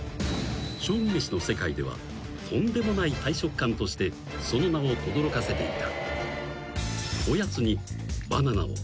［将棋めしの世界ではとんでもない大食漢としてその名をとどろかせていた］